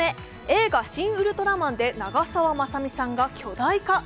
映画「シン・ウルトラマン」で長澤まさみさんが巨大化？